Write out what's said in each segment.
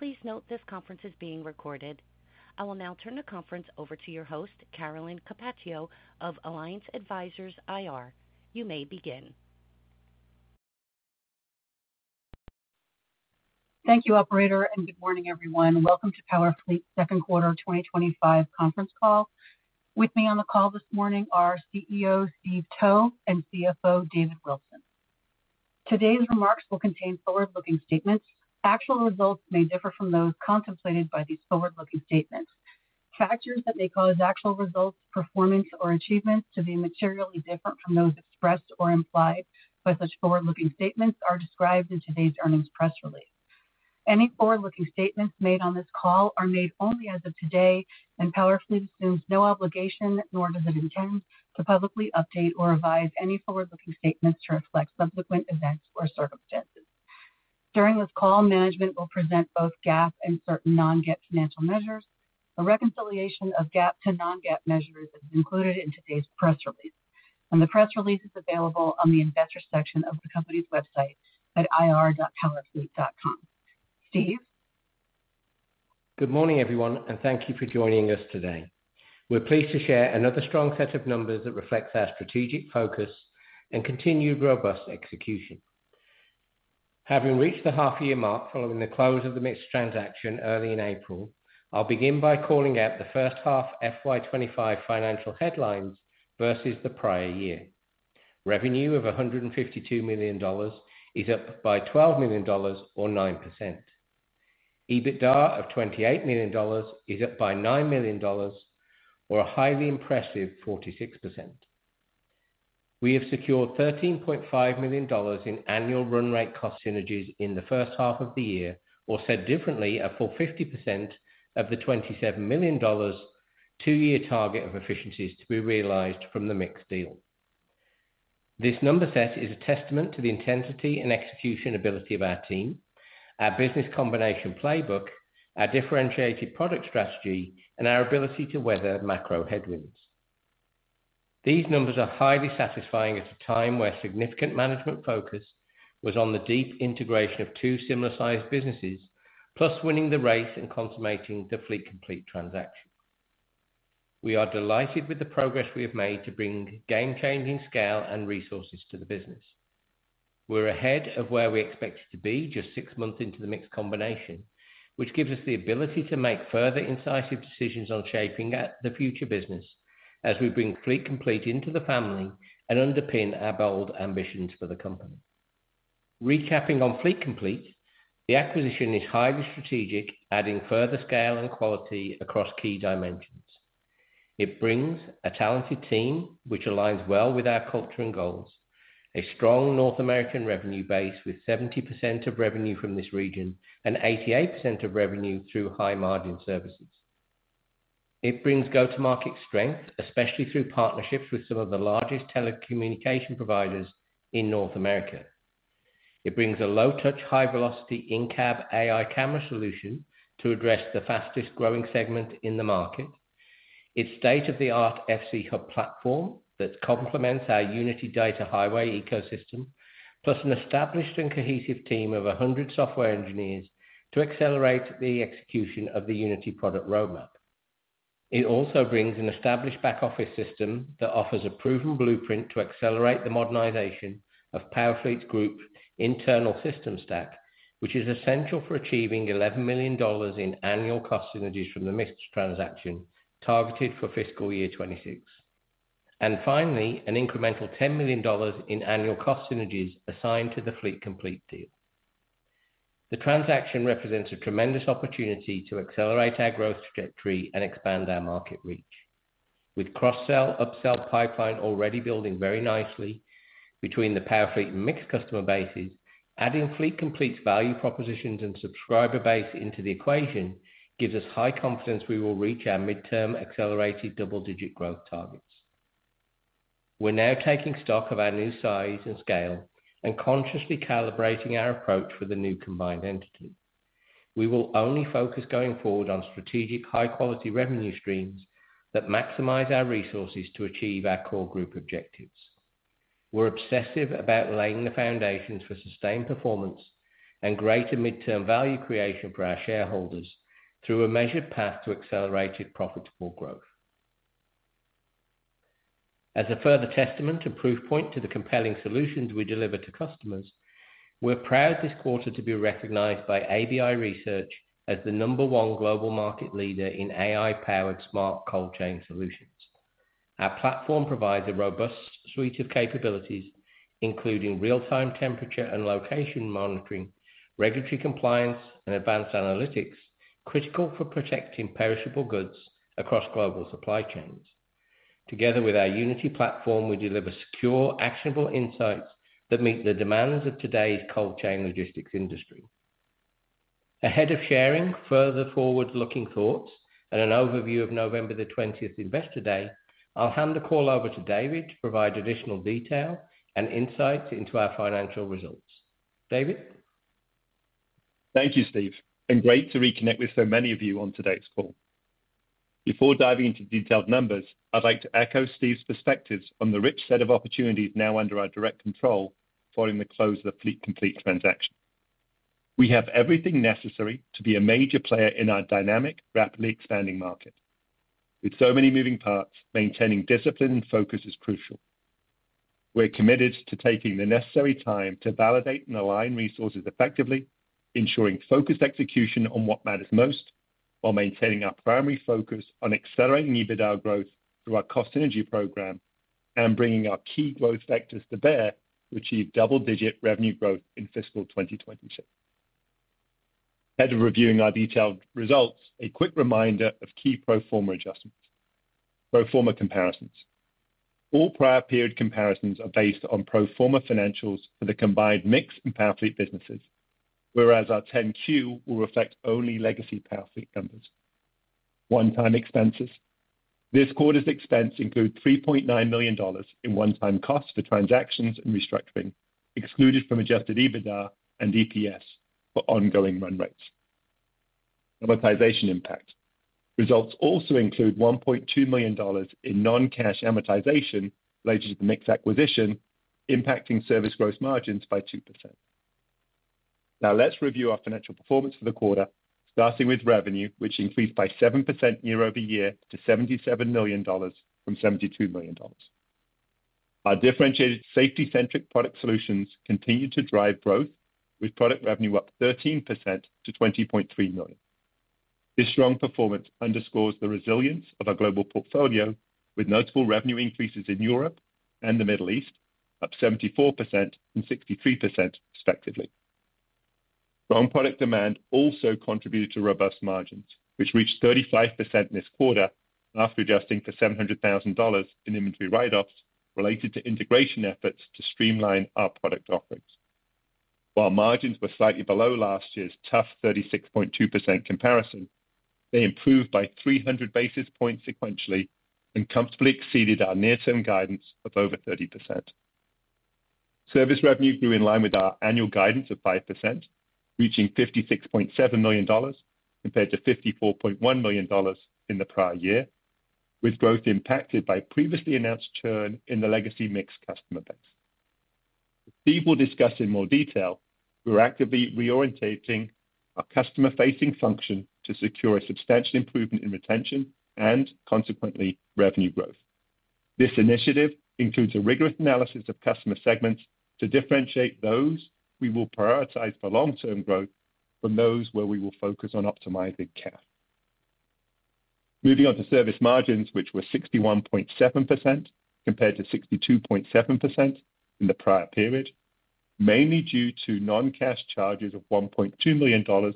Please note this conference is being recorded. I will now turn the conference over to your host, Carolyn Capaccio of Alliance Advisors IR. You may begin. Thank you, operator, and good morning, everyone. Welcome to PowerFleet's second quarter 2025 conference call. With me on the call this morning are CEO Steve Towe and CFO David Wilson. Today's remarks will contain forward-looking statements. Actual results may differ from those contemplated by these forward-looking statements. Factors that may cause actual results, performance, or achievements to be materially different from those expressed or implied by such forward-looking statements are described in today's earnings press release. Any forward-looking statements made on this call are made only as of today, and PowerFleet assumes no obligation, nor does it intend to publicly update or revise any forward-looking statements to reflect subsequent events or circumstances. During this call, management will present both GAAP and certain non-GAAP financial measures. A reconciliation of GAAP to non-GAAP measures is included in today's press release, and the press release is available on the investor section of the company's website at ir.powerfleet.com. Steve? Good morning, everyone, and thank you for joining us today. We're pleased to share another strong set of numbers that reflects our strategic focus and continued robust execution. Having reached the half-year mark following the close of the MiX transaction early in April, I'll begin by calling out the first half FY 2025 financial headlines versus the prior year. Revenue of $152 million is up by $12 million, or 9%. EBITDA of $28 million is up by $9 million, or a highly impressive 46%. We have secured $13.5 million in annual run rate cost synergies in the first half of the year, or said differently, a full 50% of the $27 million two-year target of efficiencies to be realized from the MiX deal. This number set is a testament to the intensity and execution ability of our team, our business combination playbook, our differentiated product strategy, and our ability to weather macro headwinds. These numbers are highly satisfying at a time where significant management focus was on the deep integration of two similar-sized businesses, plus winning the race and consummating the Fleet Complete transaction. We are delighted with the progress we have made to bring game-changing scale and resources to the business. We're ahead of where we expected to be just six months into the MiX combination, which gives us the ability to make further incisive decisions on shaping the future business as we bring Fleet Complete into the family and underpin our bold ambitions for the company. Recapping on Fleet Complete, the acquisition is highly strategic, adding further scale and quality across key dimensions. It brings a talented team, which aligns well with our culture and goals, a strong North American revenue base with 70% of revenue from this region and 88% of revenue through high-margin services. It brings go-to-market strength, especially through partnerships with some of the largest telecommunication providers in North America. It brings a low-touch, high-velocity in-cab AI camera solution to address the fastest-growing segment in the market, its state-of-the-art FC Hub platform that complements our Unity Data Highway ecosystem, plus an established and cohesive team of 100 software engineers to accelerate the execution of the Unity product roadmap. It also brings an established back-office system that offers a proven blueprint to accelerate the modernization of PowerFleet's group internal system stack, which is essential for achieving $11 million in annual cost synergies from the MiX transaction targeted for fiscal year 2026, and finally, an incremental $10 million in annual cost synergies assigned to the Fleet Complete deal. The transaction represents a tremendous opportunity to accelerate our growth trajectory and expand our market reach. With cross-sell/up-sell pipeline already building very nicely between the PowerFleet and MiX customer bases, adding Fleet Complete's value propositions and subscriber base into the equation gives us high confidence we will reach our midterm accelerated double-digit growth targets. We're now taking stock of our new size and scale and consciously calibrating our approach for the new combined entity. We will only focus going forward on strategic high-quality revenue streams that maximize our resources to achieve our core group objectives. We're obsessive about laying the foundations for sustained performance and greater midterm value creation for our shareholders through a measured path to accelerated profitable growth. As a further testament and proof point to the compelling solutions we deliver to customers, we're proud this quarter to be recognized by ABI Research as the number one global market leader in AI-powered smart cold chain solutions. Our platform provides a robust suite of capabilities, including real-time temperature and location monitoring, regulatory compliance, and advanced analytics critical for protecting perishable goods across global supply chains. Together with our Unity platform, we deliver secure, actionable insights that meet the demands of today's cold chain logistics industry. Ahead of sharing further forward-looking thoughts and an overview of November the 20th Investor Day, I'll hand the call over to David to provide additional detail and insights into our financial results. David? Thank you, Steve, and great to reconnect with so many of you on today's call. Before diving into detailed numbers, I'd like to echo Steve's perspectives on the rich set of opportunities now under our direct control following the close of the Fleet Complete transaction. We have everything necessary to be a major player in our dynamic, rapidly expanding market. With so many moving parts, maintaining discipline and focus is crucial. We're committed to taking the necessary time to validate and align resources effectively, ensuring focused execution on what matters most, while maintaining our primary focus on accelerating EBITDA growth through our cost synergy program and bringing our key growth factors to bear to achieve double-digit revenue growth in fiscal 2026. Ahead of reviewing our detailed results, a quick reminder of key pro forma adjustments. Pro forma comparisons: all prior period comparisons are based on pro forma financials for the combined MiX and PowerFleet businesses, whereas our 10-Q will reflect only legacy PowerFleet numbers. One-time expenses: this quarter's expense includes $3.9 million in one-time costs for transactions and restructuring, excluded from adjusted EBITDA and EPS for ongoing run rates. Amortization impact: results also include $1.2 million in non-cash amortization related to the MiX acquisition, impacting service gross margins by 2%. Now, let's review our financial performance for the quarter, starting with revenue, which increased by 7% year-over-year to $77 million from $72 million. Our differentiated safety-centric product solutions continue to drive growth, with product revenue up 13% to $20.3 million. This strong performance underscores the resilience of our global portfolio, with notable revenue increases in Europe and the Middle East, up 74% and 63% respectively. Strong product demand also contributed to robust margins, which reached 35% this quarter after adjusting for $700,000 in inventory write-offs related to integration efforts to streamline our product offerings. While margins were slightly below last year's tough 36.2% comparison, they improved by 300 basis points sequentially and comfortably exceeded our near-term guidance of over 30%. Service revenue grew in line with our annual guidance of 5%, reaching $56.7 million compared to $54.1 million in the prior year, with growth impacted by previously announced churn in the legacy MiX customer base. As Steve will discuss in more detail, we're actively reorienting our customer-facing function to secure a substantial improvement in retention and, consequently, revenue growth. This initiative includes a rigorous analysis of customer segments to differentiate those we will prioritize for long-term growth from those where we will focus on optimizing cash. Moving on to service margins, which were 61.7% compared to 62.7% in the prior period, mainly due to non-cash charges of $1.2 million for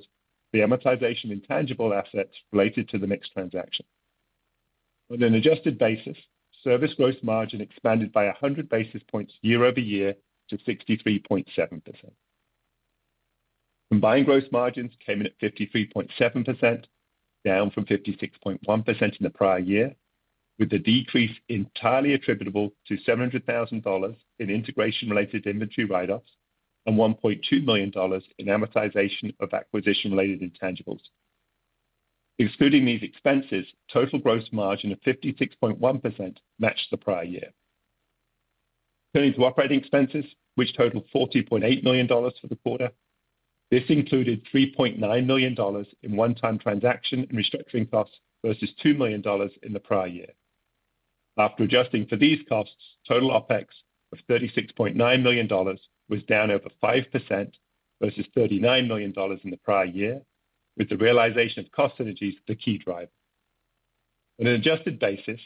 the amortization of intangible assets related to the MiX transaction. On an adjusted basis, service gross margin expanded by 100 basis points year-over-year to 63.7%. Combined gross margins came in at 53.7%, down from 56.1% in the prior year, with the decrease entirely attributable to $700,000 in integration-related inventory write-offs and $1.2 million in amortization of acquisition-related intangibles. Excluding these expenses, total gross margin of 56.1% matched the prior year. Turning to operating expenses, which totaled $40.8 million for the quarter, this included $3.9 million in one-time transaction and restructuring costs versus $2 million in the prior year. After adjusting for these costs, total OpEx of $36.9 million was down over 5% versus $39 million in the prior year, with the realization of cost synergies the key driver. On an adjusted basis,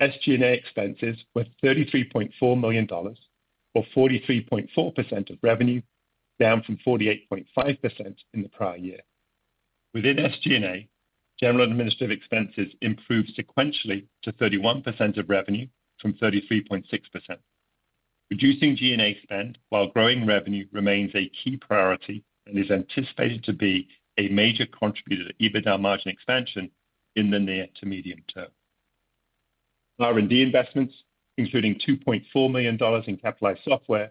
SG&A expenses were $33.4 million, or 43.4% of revenue, down from 48.5% in the prior year. Within SG&A, general administrative expenses improved sequentially to 31% of revenue from 33.6%. Reducing G&A spend while growing revenue remains a key priority and is anticipated to be a major contributor to EBITDA margin expansion in the near to medium term. R&D investments, including $2.4 million in capitalized software,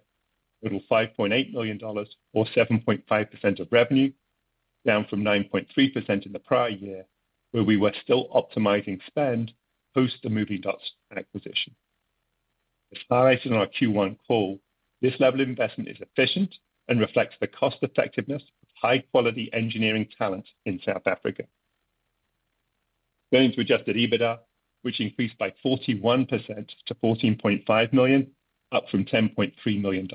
total $5.8 million, or 7.5% of revenue, down from 9.3% in the prior year, where we were still optimizing spend post the Movingdots acquisition. As highlighted on our Q1 call, this level of investment is efficient and reflects the cost-effectiveness of high-quality engineering talent in South Africa. Turning to adjusted EBITDA, which increased by 41% to $14.5 million, up from $10.3 million.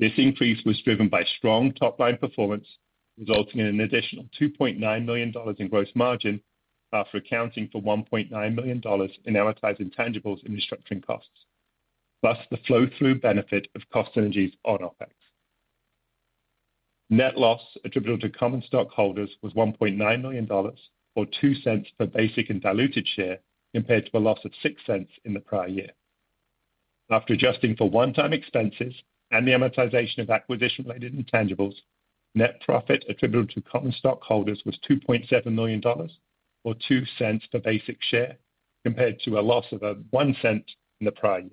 This increase was driven by strong top-line performance, resulting in an additional $2.9 million in gross margin after accounting for $1.9 million in amortized intangibles and restructuring costs, plus the flow-through benefit of cost synergies on OpEx. Net loss attributable to common stockholders was $1.9 million, or $0.02 per basic and diluted share, compared to a loss of $0.06 in the prior year. After adjusting for one-time expenses and the amortization of acquisition-related intangibles, net profit attributable to common stockholders was $2.7 million, or $0.02 per basic share, compared to a loss of $0.01 in the prior year.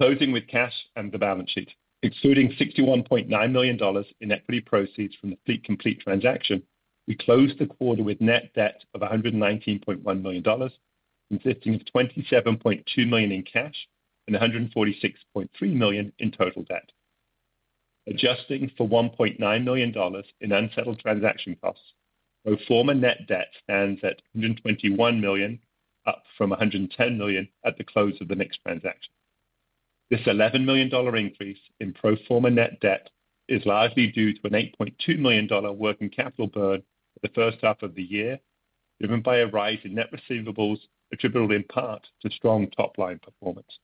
Closing with cash and the balance sheet. Excluding $61.9 million in equity proceeds from the Fleet Complete transaction, we closed the quarter with net debt of $119.1 million, consisting of $27.2 million in cash and $146.3 million in total debt, adjusting for $1.9 million in unsettled transaction costs. Pro forma net debt stands at $121 million, up from $110 million at the close of the MiX transaction. This $11 million increase in pro forma net debt is largely due to an $8.2 million working capital burn in the first half of the year, driven by a rise in net receivables attributable in part to strong top-line performance.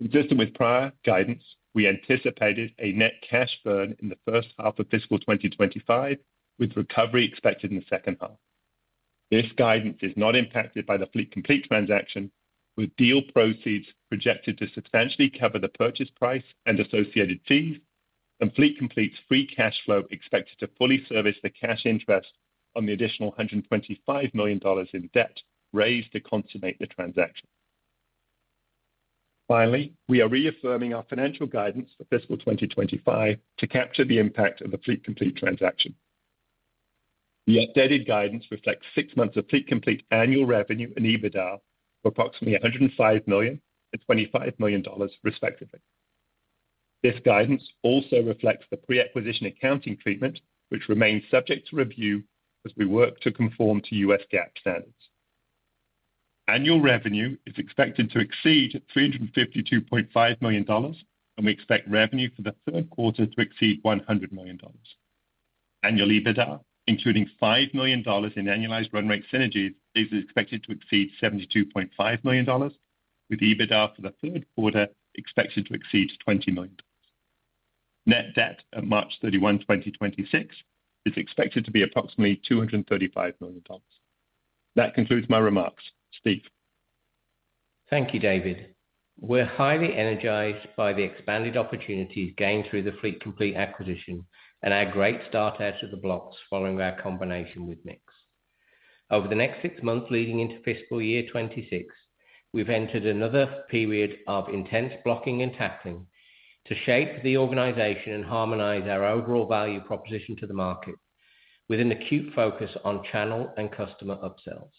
Consistent with prior guidance, we anticipated a net cash burn in the first half of fiscal 2025, with recovery expected in the second half. This guidance is not impacted by the Fleet Complete transaction, with deal proceeds projected to substantially cover the purchase price and associated fees, and Fleet Complete's free cash flow expected to fully service the cash interest on the additional $125 million in debt raised to consummate the transaction. Finally, we are reaffirming our financial guidance for fiscal 2025 to capture the impact of the Fleet Complete transaction. The updated guidance reflects six months of Fleet Complete annual revenue and EBITDA of approximately $105 million and $25 million, respectively. This guidance also reflects the pre-acquisition accounting treatment, which remains subject to review as we work to conform to U.S. GAAP standards. Annual revenue is expected to exceed $352.5 million, and we expect revenue for the third quarter to exceed $100 million. Annual EBITDA, including $5 million in annualized run rate synergies, is expected to exceed $72.5 million, with EBITDA for the third quarter expected to exceed $20 million. Net debt at March 31, 2026, is expected to be approximately $235 million. That concludes my remarks. Steve. Thank you, David. We're highly energized by the expanded opportunities gained through the Fleet Complete acquisition and our great start out of the blocks following our combination with MiX. Over the next six months leading into fiscal year 2026, we've entered another period of intense blocking and tackling to shape the organization and harmonize our overall value proposition to the market with an acute focus on channel and customer upsells.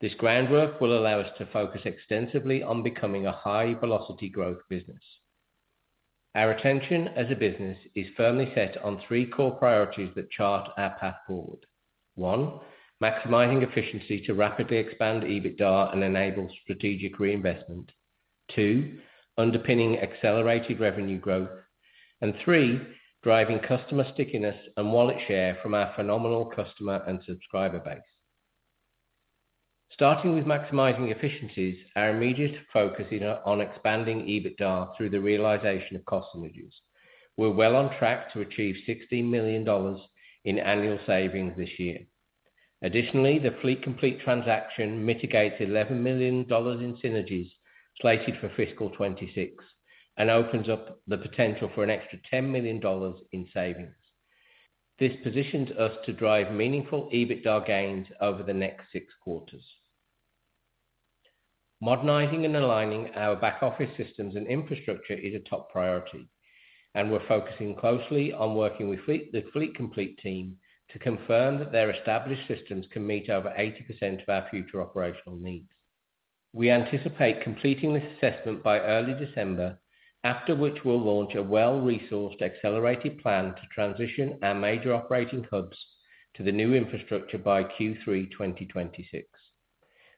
This groundwork will allow us to focus extensively on becoming a high-velocity growth business. Our attention as a business is firmly set on three core priorities that chart our path forward: one, maximizing efficiency to rapidly expand EBITDA and enable strategic reinvestment, two, underpinning accelerated revenue growth, and three, driving customer stickiness and wallet share from our phenomenal customer and subscriber base. Starting with maximizing efficiencies, our immediate focus is on expanding EBITDA through the realization of cost synergies. We're well on track to achieve $16 million in annual savings this year. Additionally, the Fleet Complete transaction mitigates $11 million in synergies slated for fiscal 2026 and opens up the potential for an extra $10 million in savings. This positions us to drive meaningful EBITDA gains over the next six quarters. Modernizing and aligning our back-office systems and infrastructure is a top priority, and we're focusing closely on working with the Fleet Complete team to confirm that their established systems can meet over 80% of our future operational needs. We anticipate completing this assessment by early December, after which we'll launch a well-resourced accelerated plan to transition our major operating hubs to the new infrastructure by Q3 2026.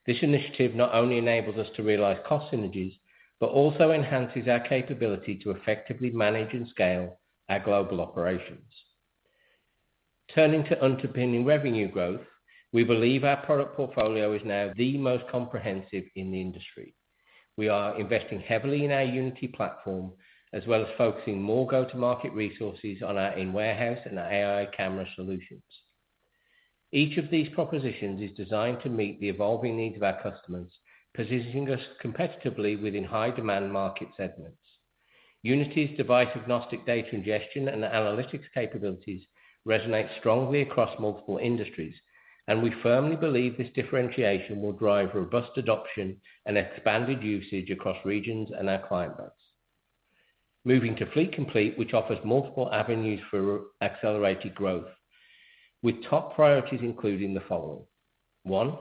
This initiative not only enables us to realize cost synergies, but also enhances our capability to effectively manage and scale our global operations. Turning to underpinning revenue growth, we believe our product portfolio is now the most comprehensive in the industry. We are investing heavily in our Unity platform, as well as focusing more go-to-market resources on our in-warehouse and our AI camera solutions. Each of these propositions is designed to meet the evolving needs of our customers, positioning us competitively within high-demand market segments. Unity's device-agnostic data ingestion and analytics capabilities resonate strongly across multiple industries, and we firmly believe this differentiation will drive robust adoption and expanded usage across regions and our client base. Moving to Fleet Complete, which offers multiple avenues for accelerated growth, with top priorities including the following: one,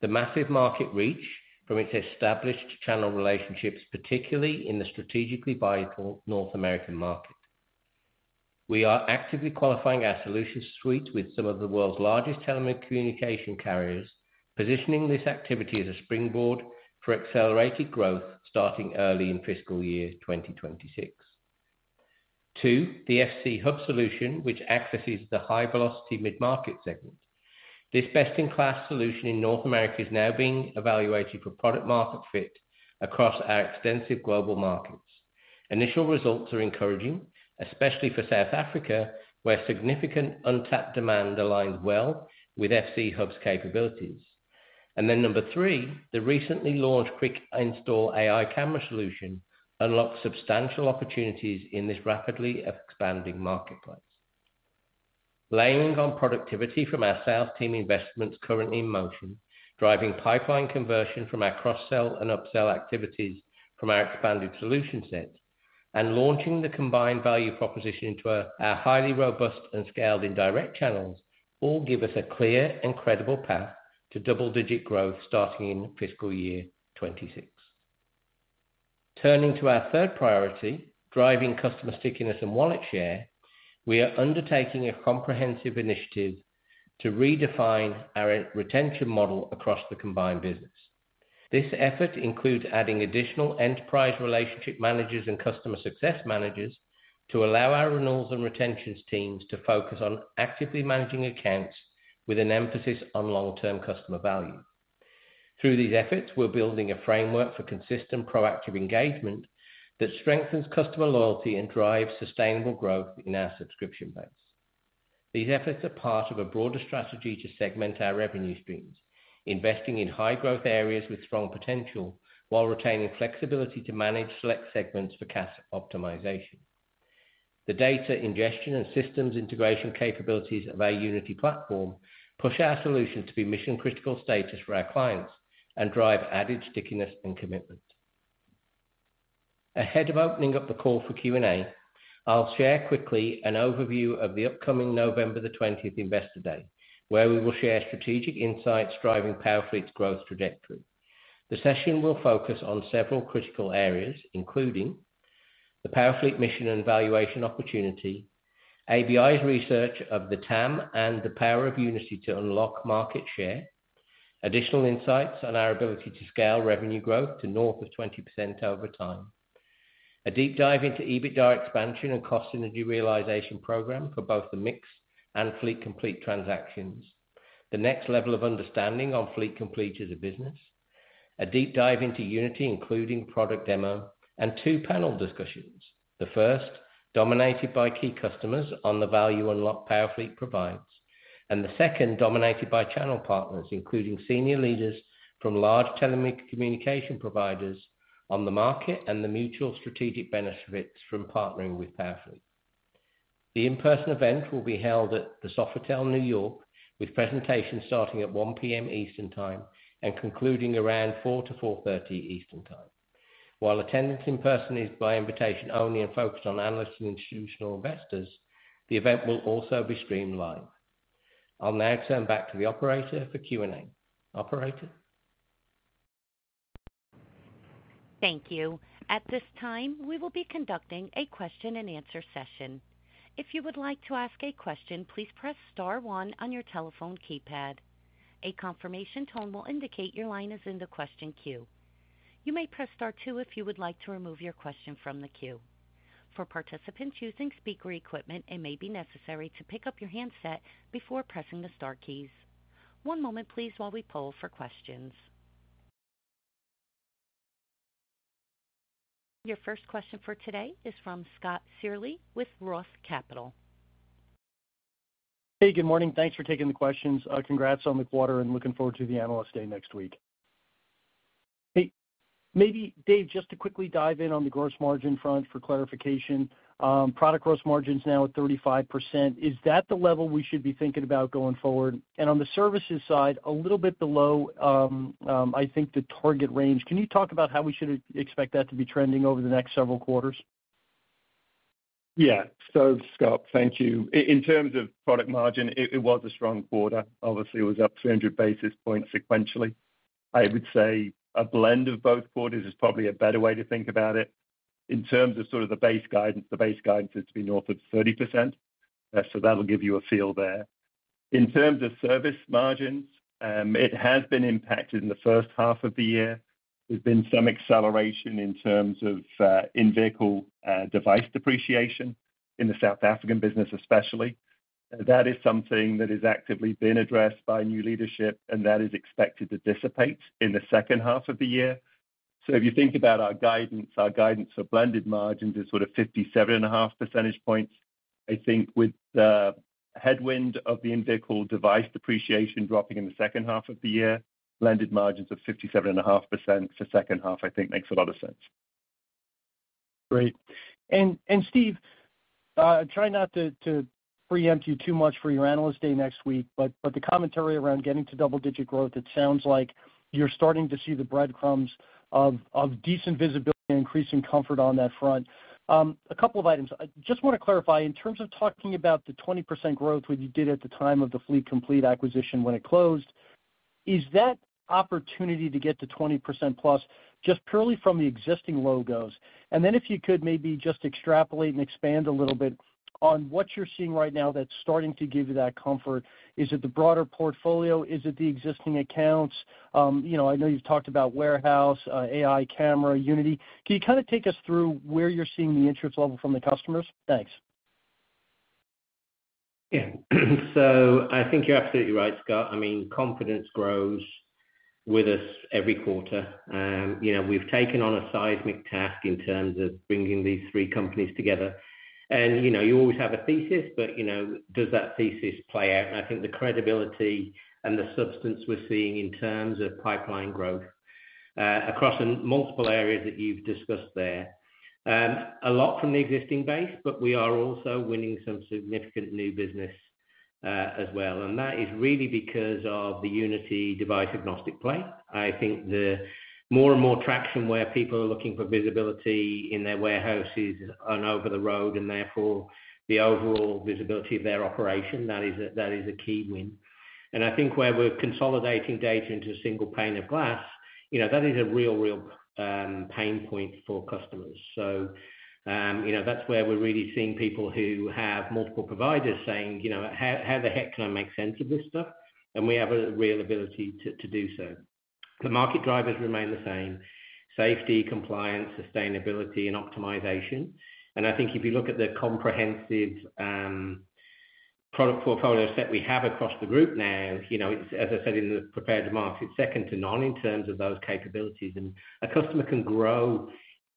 the massive market reach from its established channel relationships, particularly in the strategically vital North American market. We are actively qualifying our solution suite with some of the world's largest telecommunications carriers, positioning this activity as a springboard for accelerated growth starting early in fiscal year 2026. Two, the FC Hub solution, which accesses the high-velocity mid-market segment. This best-in-class solution in North America is now being evaluated for product-market fit across our extensive global markets. Initial results are encouraging, especially for South Africa, where significant untapped demand aligns well with FC Hub's capabilities. And then number three, the recently launched Quick Install AI Camera solution unlocks substantial opportunities in this rapidly expanding marketplace. Leveraging productivity from our sales team investments currently in motion, driving pipeline conversion from our cross-sell and upsell activities from our expanded solution set, and launching the combined value proposition into our highly robust and scaled indirect channels all give us a clear and credible path to double-digit growth starting in fiscal year 2026. Turning to our third priority, driving customer stickiness and wallet share, we are undertaking a comprehensive initiative to redefine our retention model across the combined business. This effort includes adding additional enterprise relationship managers and customer success managers to allow our renewals and retentions teams to focus on actively managing accounts with an emphasis on long-term customer value. Through these efforts, we're building a framework for consistent proactive engagement that strengthens customer loyalty and drives sustainable growth in our subscription base. These efforts are part of a broader strategy to segment our revenue streams, investing in high-growth areas with strong potential while retaining flexibility to manage select segments for cash optimization. The data ingestion and systems integration capabilities of our Unity platform push our solutions to be mission-critical status for our clients and drive added stickiness and commitment. Ahead of opening up the call for Q&A, I'll share quickly an overview of the upcoming November 20 Investor Day, where we will share strategic insights driving PowerFleet's growth trajectory. The session will focus on several critical areas, including the PowerFleet mission and valuation opportunity, ABI's research of the TAM and the power of Unity to unlock market share, additional insights on our ability to scale revenue growth to north of 20% over time, a deep dive into EBITDA expansion and cost synergy realization program for both the MiX and Fleet Complete transactions, the next level of understanding on Fleet Complete as a business, a deep dive into Unity, including product demo and two panel discussions, the first dominated by key customers on the value unlocked PowerFleet provides, and the second dominated by channel partners, including senior leaders from large telecommunications providers on the market and the mutual strategic benefits from partnering with PowerFleet. The in-person event will be held at the Sofitel New York, with presentations starting at 1:00 P.M. Eastern Time and concluding around 4:00 P.M.-4:30 P.M. Eastern Time. While attendance in person is by invitation only and focused on analysts and institutional investors, the event will also be streamlined. I'll now turn back to the operator for Q&A. Operator. Thank you. At this time, we will be conducting a question-and-answer session. If you would like to ask a question, please press star one on your telephone keypad. A confirmation tone will indicate your line is in the question queue. You may press star two if you would like to remove your question from the queue. For participants using speaker equipment, it may be necessary to pick up your handset before pressing the star keys. One moment, please, while we poll for questions. Your first question for today is from Scott Searle with Roth Capital. Hey, good morning. Thanks for taking the questions. Congrats on the quarter, and looking forward to the Analyst Day next week. Hey, maybe, Dave, just to quickly dive in on the gross margin front for clarification. Product gross margin's now at 35%. Is that the level we should be thinking about going forward? And on the services side, a little bit below, I think, the target range. Can you talk about how we should expect that to be trending over the next several quarters? Yeah. So, Scott, thank you. In terms of product margin, it was a strong quarter. Obviously, it was up 300 basis points sequentially. I would say a blend of both quarters is probably a better way to think about it. In terms of sort of the base guidance, the base guidance is to be north of 30%. So that'll give you a feel there. In terms of service margins, it has been impacted in the first half of the year. There's been some acceleration in terms of in-vehicle device depreciation in the South African business, especially. That is something that has actively been addressed by new leadership, and that is expected to dissipate in the second half of the year. So if you think about our guidance, our guidance for blended margins is sort of 57.5 percentage points. I think with the headwind of the in-vehicle device depreciation dropping in the second half of the year, blended margins of 57.5% for the second half, I think, makes a lot of sense. Great. And, Steve, try not to preempt you too much for your Analyst Day next week, but the commentary around getting to double-digit growth, it sounds like you're starting to see the breadcrumbs of decent visibility and increasing comfort on that front. A couple of items. I just want to clarify. In terms of talking about the 20% growth when you did at the time of the Fleet Complete acquisition when it closed, is that opportunity to get to 20%+ just purely from the existing logos? And then if you could maybe just extrapolate and expand a little bit on what you're seeing right now that's starting to give you that comfort, is it the broader portfolio? Is it the existing accounts? I know you've talked about warehouse, AI camera, Unity. Can you kind of take us through where you're seeing the interest level from the customers? Thanks. Yeah. So I think you're absolutely right, Scott. I mean, confidence grows with us every quarter. We've taken on a seismic task in terms of bringing these three companies together. And you always have a thesis, but does that thesis play out? And I think the credibility and the substance we're seeing in terms of pipeline growth across multiple areas that you've discussed there, a lot from the existing base, but we are also winning some significant new business as well. And that is really because of the Unity device-agnostic play. I think the more and more traction where people are looking for visibility in their warehouses and over the road and therefore the overall visibility of their operation, that is a key win. And I think where we're consolidating data into a single pane of glass, that is a real, real pain point for customers. So that's where we're really seeing people who have multiple providers saying, "How the heck can I make sense of this stuff?" And we have a real ability to do so. The market drivers remain the same: safety, compliance, sustainability, and optimization. And I think if you look at the comprehensive product portfolio set we have across the group now, as I said in the prepared remarks, it's second to none in terms of those capabilities. And a customer can grow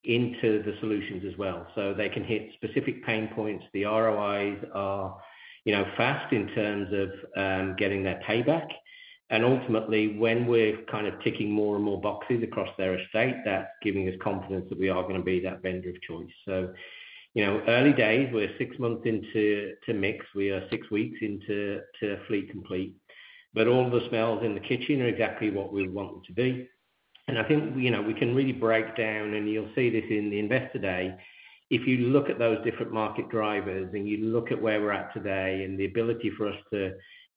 into the solutions as well. So they can hit specific pain points. The ROIs are fast in terms of getting their payback. And ultimately, when we're kind of ticking more and more boxes across their estate, that's giving us confidence that we are going to be that vendor of choice. So early days, we're six months into MiX. We are six weeks into Fleet Complete. But all the smells in the kitchen are exactly what we want them to be. And I think we can really break down, and you'll see this in the Investor Day. If you look at those different market drivers and you look at where we're at today and the ability for us to,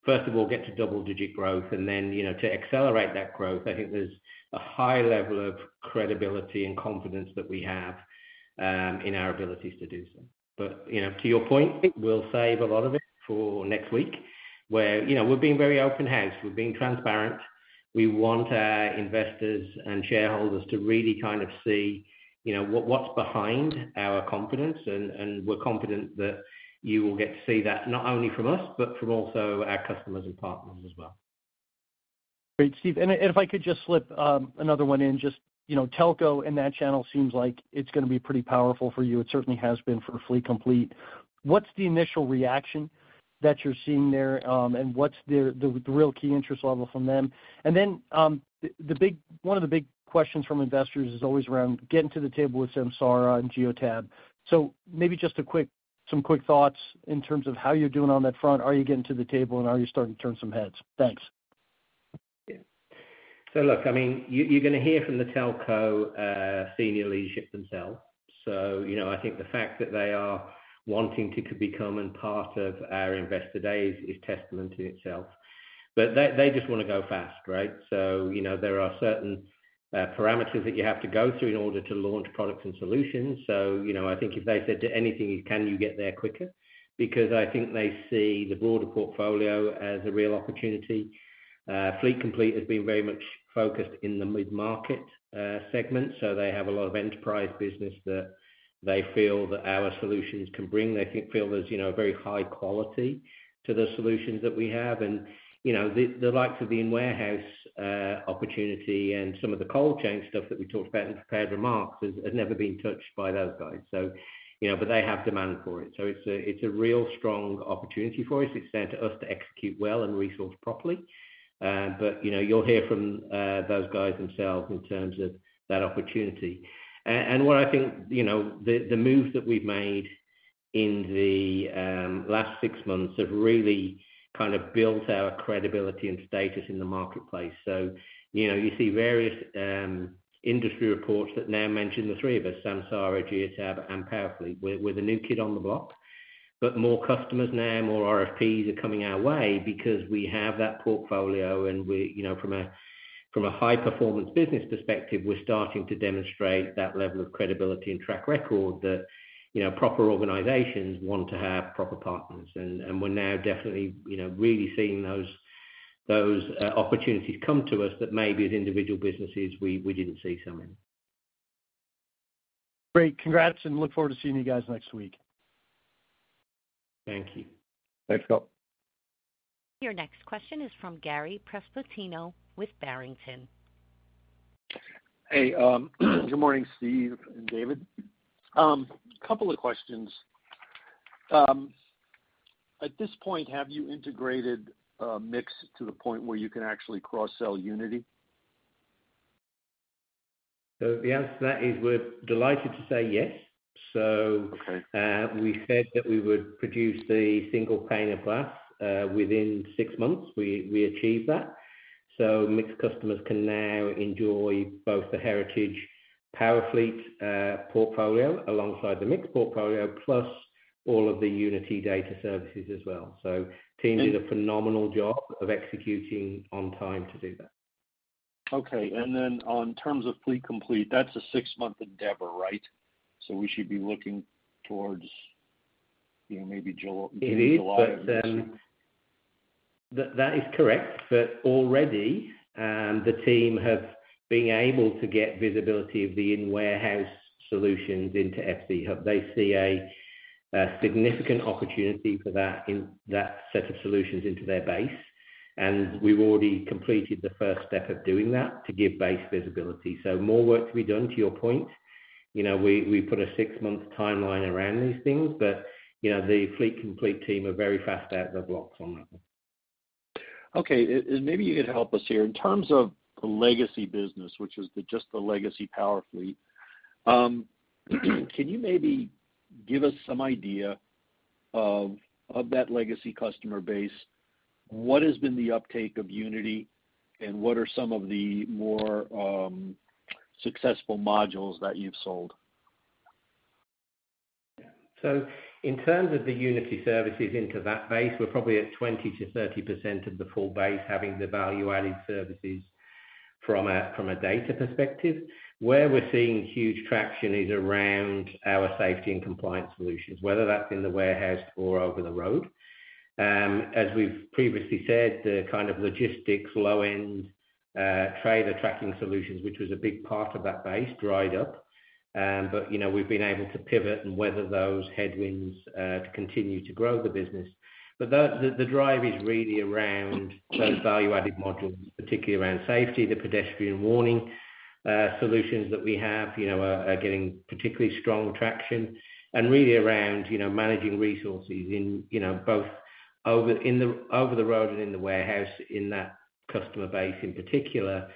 first of all, get to double-digit growth and then to accelerate that growth, I think there's a high level of credibility and confidence that we have in our abilities to do so. But to your point, we'll save a lot of it for next week where we're being very open house. We're being transparent. We want our investors and shareholders to really kind of see what's behind our confidence. And we're confident that you will get to see that not only from us, but from also our customers and partners as well. Great, Steve, and if I could just slip another one in, just telco in that channel seems like it's going to be pretty powerful for you. It certainly has been for Fleet Complete. What's the initial reaction that you're seeing there, and what's the real key interest level from them, and then one of the big questions from investors is always around getting to the table with Samsara and Geotab, so maybe just some quick thoughts in terms of how you're doing on that front. Are you getting to the table, and are you starting to turn some heads? Thanks. Yeah. So look, I mean, you're going to hear from the telco senior leadership themselves. So I think the fact that they are wanting to become part of our Investor Day is testament to itself. But they just want to go fast, right? So there are certain parameters that you have to go through in order to launch products and solutions. So I think if they said to anything, "Can you get there quicker?" Because I think they see the broader portfolio as a real opportunity. Fleet Complete has been very much focused in the mid-market segment. So they have a lot of enterprise business that they feel that our solutions can bring. They feel there's a very high quality to the solutions that we have. The likes of the in-warehouse opportunity and some of the cold chain stuff that we talked about in prepared remarks has never been touched by those guys. But they have demand for it. So it's a real strong opportunity for us. It's down to us to execute well and resource properly. But you'll hear from those guys themselves in terms of that opportunity. And what I think the moves that we've made in the last six months have really kind of built our credibility and status in the marketplace. So you see various industry reports that now mention the three of us: Samsara, Geotab, and PowerFleet. We're the new kid on the block. But more customers now, more RFPs are coming our way because we have that portfolio. From a high-performance business perspective, we're starting to demonstrate that level of credibility and track record that proper organizations want to have proper partners. We're now definitely really seeing those opportunities come to us that maybe as individual businesses, we didn't see coming. Great. Congrats. And look forward to seeing you guys next week. Thank you. Thanks, Scott. Your next question is from Gary Prestopino with Barrington. Hey. Good morning, Steve and David. A couple of questions. At this point, have you integrated MiX to the point where you can actually cross-sell Unity? So the answer to that is we're delighted to say yes. So we said that we would produce the single pane of glass within six months. We achieved that. So MiX customers can now enjoy both the Heritage PowerFleet portfolio alongside the MiX portfolio plus all of the Unity data services as well. So the team did a phenomenal job of executing on time to do that. Okay, and then in terms of Fleet Complete, that's a six-month endeavor, right, so we should be looking towards maybe July. It is. That is correct. But already, the team have been able to get visibility of the in-warehouse solutions into FC. They see a significant opportunity for that set of solutions into their base. And we've already completed the first step of doing that to give base visibility. So more work to be done, to your point. We put a six-month timeline around these things, but the Fleet Complete team are very fast out of the blocks on that. Okay. Maybe you could help us here. In terms of the legacy business, which is just the legacy PowerFleet, can you maybe give us some idea of that legacy customer base? What has been the uptake of Unity, and what are some of the more successful modules that you've sold? So in terms of the Unity services into that base, we're probably at 20%-30% of the full base, having the value-added services from a data perspective. Where we're seeing huge traction is around our safety and compliance solutions, whether that's in the warehouse or over the road. As we've previously said, the kind of logistics, low-end trailer tracking solutions, which was a big part of that base, dried up. But we've been able to pivot and weather those headwinds to continue to grow the business. But the drive is really around those value-added modules, particularly around safety. The pedestrian warning solutions that we have are getting particularly strong traction. And really around managing resources both over the road and in the warehouse in that customer base in particular,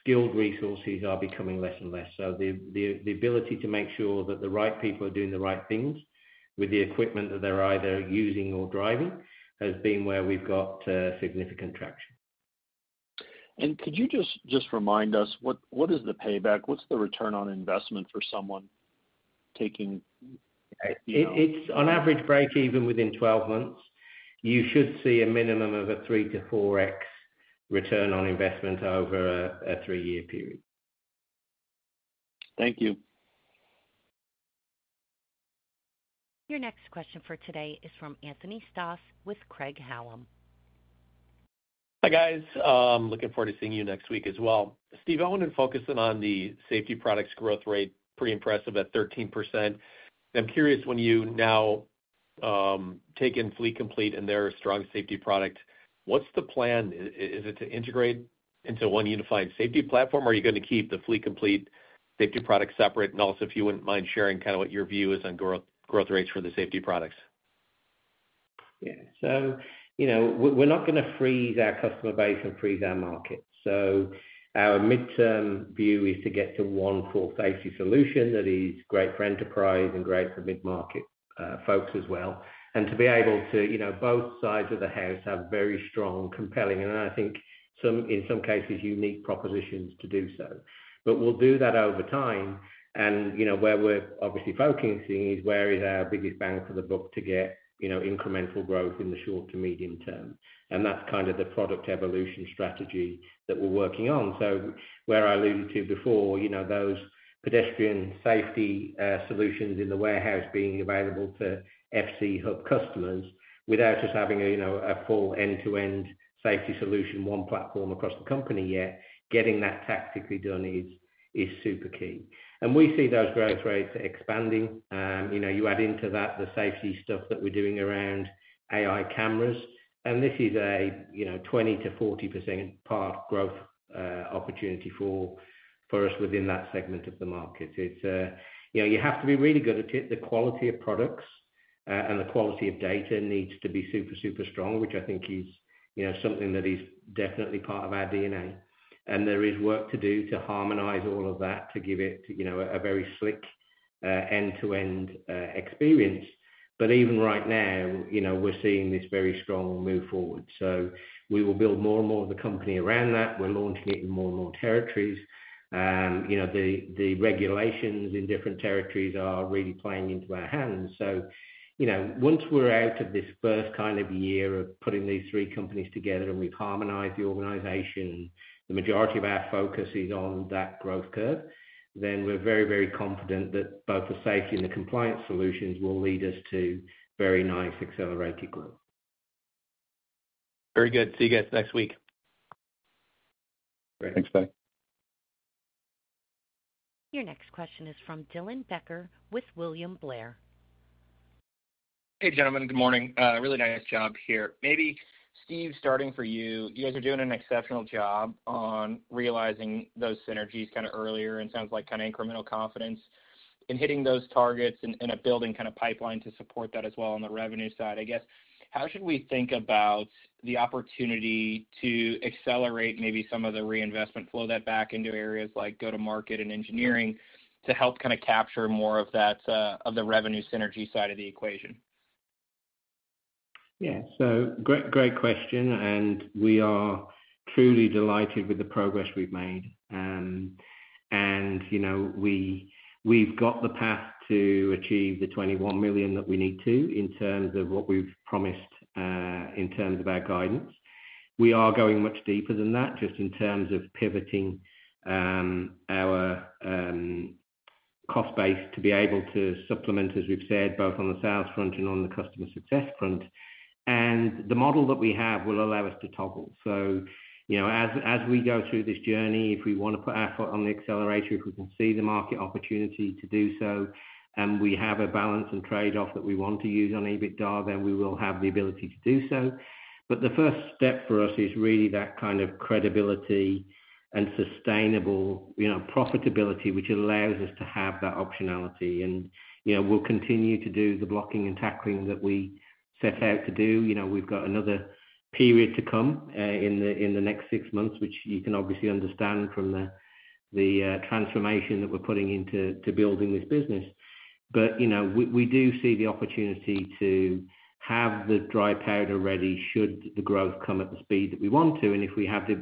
skilled resources are becoming less and less. The ability to make sure that the right people are doing the right things with the equipment that they're either using or driving has been where we've got significant traction. Could you just remind us, what is the payback? What's the return on investment for someone taking? It's on average break-even within 12 months. You should see a minimum of a 3x-4x return on investment over a three-year period. Thank you. Your next question for today is from Anthony Stoss with Craig-Hallum. Hi, guys. Looking forward to seeing you next week as well. Steve, I wanted to focus in on the safety products growth rate. Pretty impressive at 13%. I'm curious, when you now take in Fleet Complete and their strong safety product, what's the plan? Is it to integrate into one unified safety platform, or are you going to keep the Fleet Complete safety product separate? And also, if you wouldn't mind sharing kind of what your view is on growth rates for the safety products. Yeah. So we're not going to freeze our customer base and freeze our market. So our midterm view is to get to one full safety solution that is great for enterprise and great for mid-market folks as well. And to be able to both sides of the house have very strong, compelling, and I think in some cases, unique propositions to do so. But we'll do that over time. And where we're obviously focusing is where is our biggest bang for the buck to get incremental growth in the short to medium term. And that's kind of the product evolution strategy that we're working on. So where I alluded to before, those pedestrian safety solutions in the warehouse being available to FC Hub customers without us having a full end-to-end safety solution, one platform across the company yet, getting that tactically done is super key. We see those growth rates expanding. You add into that the safety stuff that we're doing around AI cameras. This is a 20%-40% part growth opportunity for us within that segment of the market. You have to be really good at it. The quality of products and the quality of data needs to be super, super strong, which I think is something that is definitely part of our DNA. There is work to do to harmonize all of that to give it a very slick end-to-end experience. Even right now, we're seeing this very strong move forward. We will build more and more of the company around that. We're launching it in more and more territories. The regulations in different territories are really playing into our hands. So once we're out of this first kind of year of putting these three companies together and we've harmonized the organization, the majority of our focus is on that growth curve, then we're very, very confident that both the safety and the compliance solutions will lead us to very nice accelerated growth. Very good. See you guys next week. Thanks. Your next question is from Dylan Becker with William Blair. Hey, gentlemen. Good morning. Really nice job here. Maybe Steve starting for you. You guys are doing an exceptional job on realizing those synergies kind of earlier and sounds like kind of incremental confidence in hitting those targets and building kind of pipeline to support that as well on the revenue side. I guess, how should we think about the opportunity to accelerate maybe some of the reinvestment, flow that back into areas like go-to-market and engineering to help kind of capture more of the revenue synergy side of the equation? Yeah. So great question. And we are truly delighted with the progress we've made. And we've got the path to achieve the 21 million that we need to in terms of what we've promised in terms of our guidance. We are going much deeper than that just in terms of pivoting our cost base to be able to supplement, as we've said, both on the sales front and on the customer success front. And the model that we have will allow us to toggle. So as we go through this journey, if we want to put our foot on the accelerator, if we can see the market opportunity to do so, and we have a balance and trade-off that we want to use on EBITDA, then we will have the ability to do so. But the first step for us is really that kind of credibility and sustainable profitability, which allows us to have that optionality. And we'll continue to do the blocking and tackling that we set out to do. We've got another period to come in the next six months, which you can obviously understand from the transformation that we're putting into building this business. But we do see the opportunity to have the dry powder ready, should the growth come at the speed that we want to. And if we have to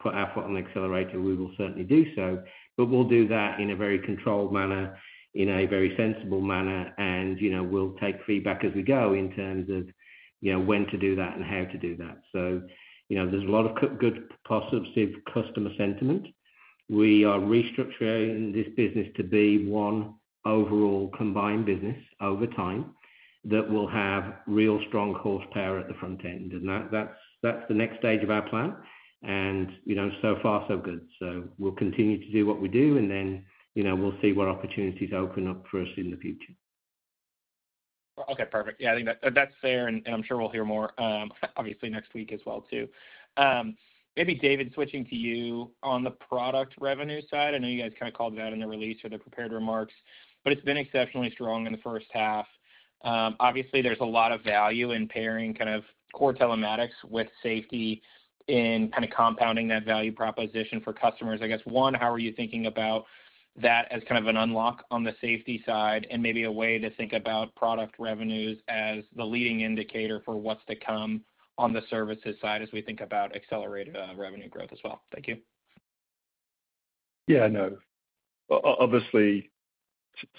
put our foot on the accelerator, we will certainly do so. But we'll do that in a very controlled manner, in a very sensible manner. And we'll take feedback as we go in terms of when to do that and how to do that. So there's a lot of good positive customer sentiment. We are restructuring this business to be one overall combined business over time that will have real strong horsepower at the front end. And that's the next stage of our plan. And so far, so good. So we'll continue to do what we do, and then we'll see what opportunities open up for us in the future. Okay. Perfect. Yeah, I think that's fair, and I'm sure we'll hear more, obviously, next week as well too. Maybe David, switching to you on the product revenue side. I know you guys kind of called it out in the release or the prepared remarks, but it's been exceptionally strong in the first half. Obviously, there's a lot of value in pairing kind of core telematics with safety in kind of compounding that value proposition for customers. I guess, one, how are you thinking about that as kind of an unlock on the safety side and maybe a way to think about product revenues as the leading indicator for what's to come on the services side as we think about accelerated revenue growth as well? Thank you. Yeah. No. Obviously,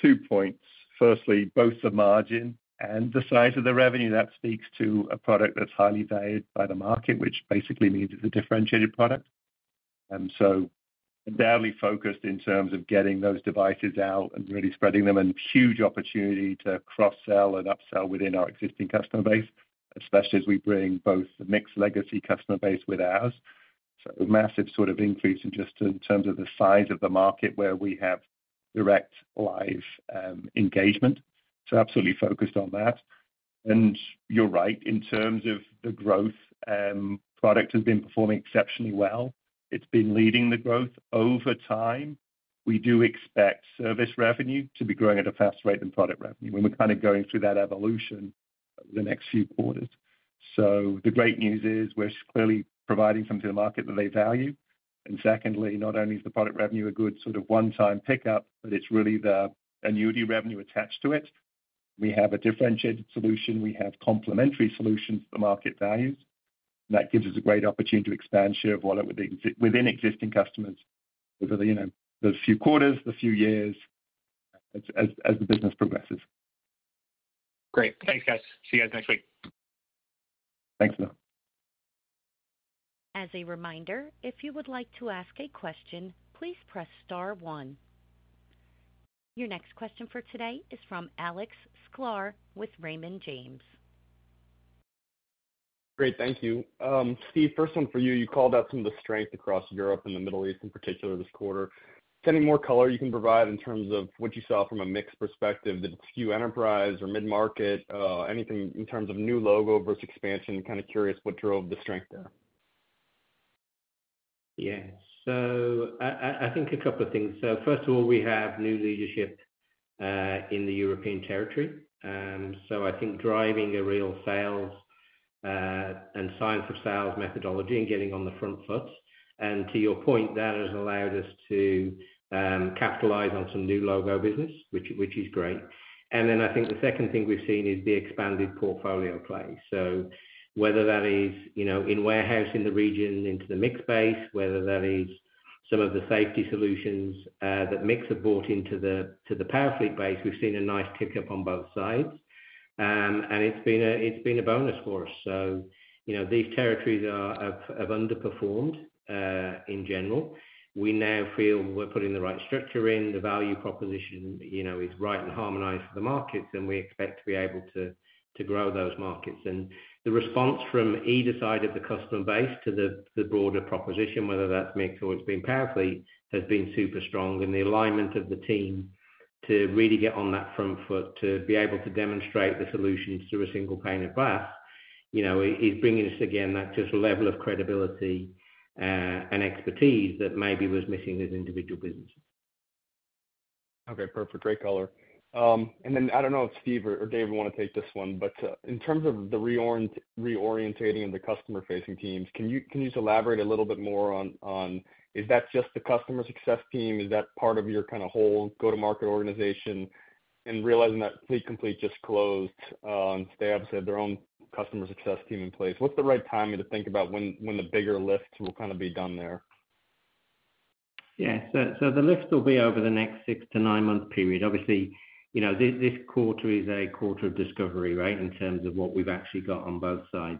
two points. Firstly, both the margin and the size of the revenue. That speaks to a product that's highly valued by the market, which basically means it's a differentiated product. And so undoubtedly focused in terms of getting those devices out and really spreading them. And huge opportunity to cross-sell and upsell within our existing customer base, especially as we bring both the MiX legacy customer base with ours. So massive sort of increase in just in terms of the size of the market where we have direct live engagement. So absolutely focused on that. And you're right. In terms of the growth, product has been performing exceptionally well. It's been leading the growth over time. We do expect service revenue to be growing at a faster rate than product revenue. And we're kind of going through that evolution over the next few quarters. So the great news is we're clearly providing something to the market that they value. And secondly, not only is the product revenue a good sort of one-time pickup, but it's really the annuity revenue attached to it. We have a differentiated solution. We have complementary solutions that the market values. And that gives us a great opportunity to expand share of wallet within existing customers over the few quarters, the few years as the business progresses. Great. Thanks, guys. See you guys next week. Thanks a lot. As a reminder, if you would like to ask a question, please press star one. Your next question for today is from Alex Sklar with Raymond James. Great. Thank you. Steve, first one for you. You called out some of the strength across Europe and the Middle East in particular this quarter. Any more color you can provide in terms of what you saw from a MiX perspective, the U.K. enterprise or mid-market, anything in terms of new logo versus expansion? Kind of curious what drove the strength there. Yeah. So I think a couple of things. So first of all, we have new leadership in the European territory. So I think driving a real sales and science of sales methodology and getting on the front foot. And to your point, that has allowed us to capitalize on some new logo business, which is great. And then I think the second thing we've seen is the expanded portfolio play. So whether that is in warehouse in the region into the MiX base, whether that is some of the safety solutions that MiX's have brought into the PowerFleet base, we've seen a nice tick up on both sides. And it's been a bonus for us. So these territories have underperformed in general. We now feel we're putting the right structure in. The value proposition is right and harmonized for the markets, and we expect to be able to grow those markets, and the response from either side of the customer base to the broader proposition, whether that's MiX's or it's been PowerFleet, has been super strong, and the alignment of the team to really get on that front foot to be able to demonstrate the solutions through a single pane of glass is bringing us, again, that just level of credibility and expertise that maybe was missing as individual businesses. Okay. Perfect. Great color. And then I don't know if Steve or David want to take this one, but in terms of the reorienting of the customer-facing teams, can you just elaborate a little bit more on, is that just the customer success team? Is that part of your kind of whole go-to-market organization? And realizing that Fleet Complete just closed, they obviously have their own customer success team in place. What's the right timing to think about when the bigger lifts will kind of be done there? Yeah. So the lifts will be over the next six to nine-month period. Obviously, this quarter is a quarter of discovery, right, in terms of what we've actually got on both sides.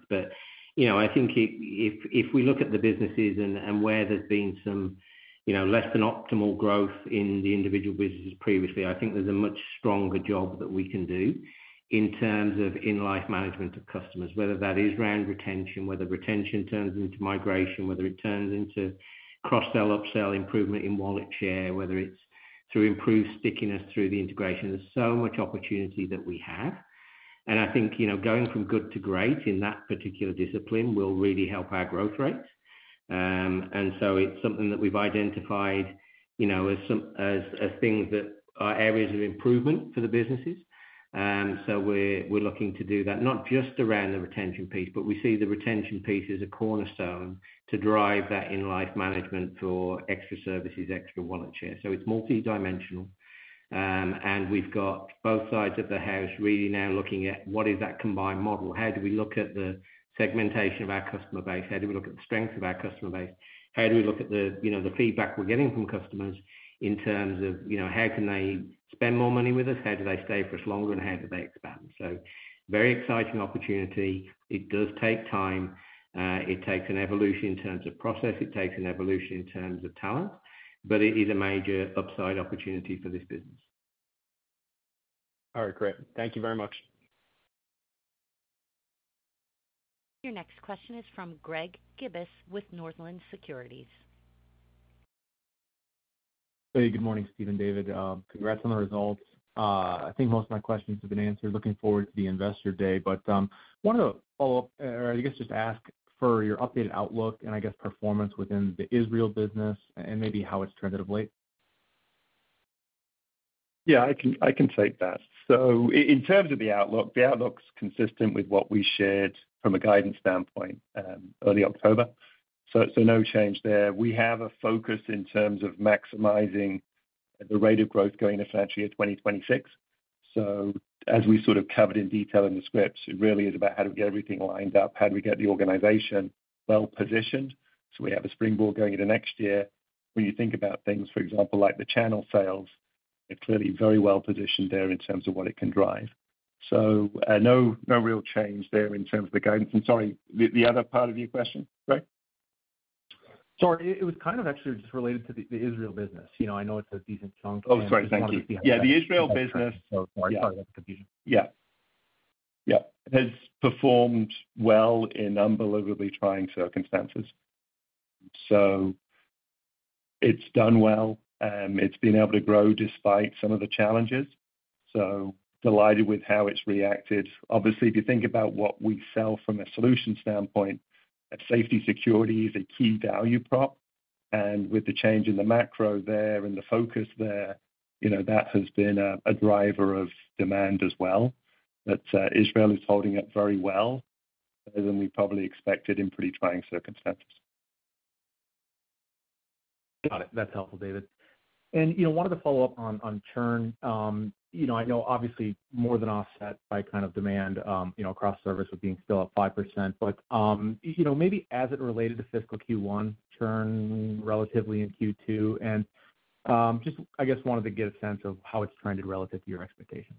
But I think if we look at the businesses and where there's been some less than optimal growth in the individual businesses previously, I think there's a much stronger job that we can do in terms of in-life management of customers, whether that is around retention, whether retention turns into migration, whether it turns into cross-sell, upsell, improvement in wallet share, whether it's through improved stickiness through the integration. There's so much opportunity that we have. And I think going from good to great in that particular discipline will really help our growth rate. And so it's something that we've identified as things that are areas of improvement for the businesses. So we're looking to do that, not just around the retention piece, but we see the retention piece as a cornerstone to drive that in-life management for extra services, extra wallet share. So it's multidimensional. And we've got both sides of the house really now looking at what is that combined model? How do we look at the segmentation of our customer base? How do we look at the strength of our customer base? How do we look at the feedback we're getting from customers in terms of how can they spend more money with us? How do they stay for us longer? And how do they expand? So very exciting opportunity. It does take time. It takes an evolution in terms of process. It takes an evolution in terms of talent. But it is a major upside opportunity for this business. All right. Great. Thank you very much. Your next question is from Greg Gibas with Northland Securities. Hey, good morning, Steve and David. Congrats on the results. I think most of my questions have been answered. Looking forward to the Investor Day. But I want to follow up, or I guess just ask for your updated outlook and I guess performance within the Israel business and maybe how it's trended of late. Yeah, I can take that. So in terms of the outlook, the outlook's consistent with what we shared from a guidance standpoint early October. So no change there. We have a focus in terms of maximizing the rate of growth going into financial year 2026. So as we sort of covered in detail in the scripts, it really is about how do we get everything lined up? How do we get the organization wel- positioned? So we have a springboard going into next year. When you think about things, for example, like the channel sales, it's clearly very well-positioned there in terms of what it can drive. So no real change there in terms of the guidance. And sorry, the other part of your question, Greg? Sorry. It was kind of actually just related to the Israel business. I know it's a decent chunk. Oh, sorry. Thank you. Yeah, the Israel business. Sorry about the confusion. Yeah. Yeah. Has performed well in unbelievably trying circumstances, so it's done well. It's been able to grow despite some of the challenges, so delighted with how it's reacted. Obviously, if you think about what we sell from a solution standpoint, Safety & Security is a key value prop. And with the change in the macro there and the focus there, that has been a driver of demand as well, but Israel is holding up very well, better than we probably expected, in pretty trying circumstances. Got it. That's helpful, David, and wanted to follow up on churn. I know obviously more than offset by kind of demand across service with being still at 5%. But maybe as it related to fiscal Q1, churn relatively in Q2, and just I guess wanted to get a sense of how it's trended relative to your expectation?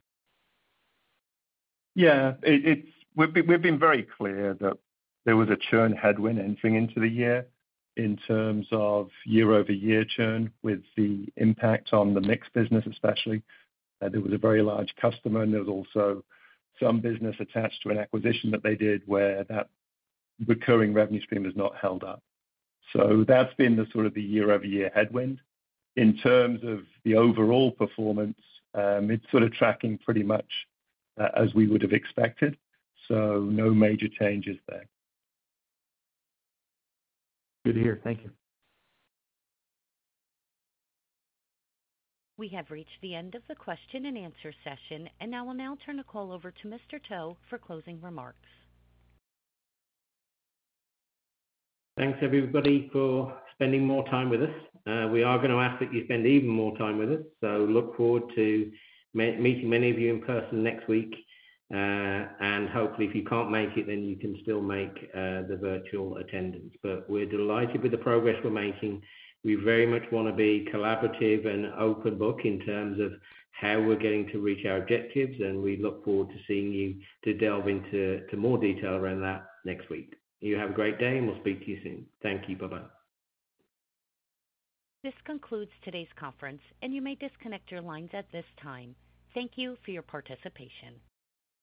Yeah. We've been very clear that there was a churn headwind entering into the year in terms of year-over-year churn with the impact on the MiX business especially. There was a very large customer, and there was also some business attached to an acquisition that they did where that recurring revenue stream has not held up. So that's been the sort of the year-over-year headwind. In terms of the overall performance, it's sort of tracking pretty much as we would have expected. So no major changes there. Good to hear. Thank you. We have reached the end of the question-and-answer session, and I will now turn the call over to Mr. Towe for closing remarks. Thanks, everybody, for spending more time with us. We are going to ask that you spend even more time with us. So look forward to meeting many of you in person next week. And hopefully, if you can't make it, then you can still make the virtual attendance. But we're delighted with the progress we're making. We very much want to be collaborative and open book in terms of how we're getting to reach our objectives. And we look forward to seeing you to delve into more detail around that next week. You have a great day, and we'll speak to you soon. Thank you. Bye-bye. This concludes today's conference, and you may disconnect your lines at this time. Thank you for your participation.